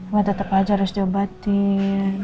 wah tetep aja harus diobatin